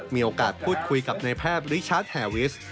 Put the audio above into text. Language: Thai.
มีโอกาสพูดคุยกับนายแพทย์ริชาร์จแฮวิส